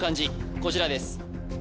こちらです